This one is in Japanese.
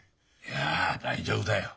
いや大丈夫だよ。